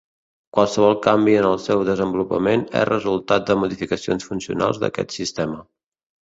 Qualsevol canvi en el seu desenvolupament és resultat de modificacions funcionals d'aquest sistema.